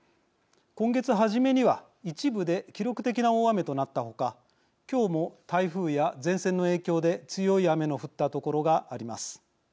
今月初めには一部で記録的な大雨となった他今日も台風や前線の影響で強い雨の降った所があります。